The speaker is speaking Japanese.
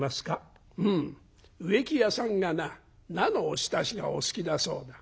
「うん植木屋さんがな菜のおひたしがお好きだそうだ。